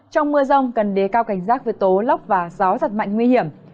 trong mưa rông cần đế cao cảnh giác với tố lóc và gió giật mạnh nguy hiểm